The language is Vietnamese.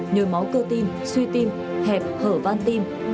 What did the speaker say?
nhồi máu cơ tim suy tim hẹp hở van tim